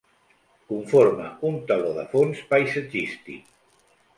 Conforma un teló de fons paisatgístic.